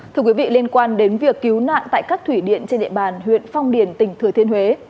thưa quý vị liên quan đến việc cứu nạn tại các thủy điện trên địa bàn huyện phong điền tỉnh thừa thiên huế